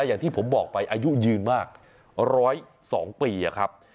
อย่างที่ผมบอกไปอายุยืนมาก๑๐๒ปีครับ